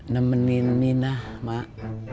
nemenin minah mak